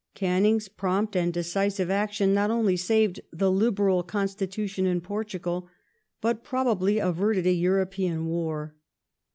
Canning's prompt and decisive action not only saved the lilberal constitution in Portugal, but probably averted a European war.